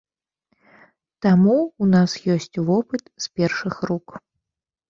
Таму ў нас ёсць вопыт з першых рук.